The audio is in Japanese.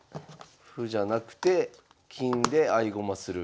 歩じゃなくて金で合駒する。